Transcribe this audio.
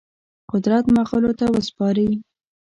قدرت مغولو ته وسپاري.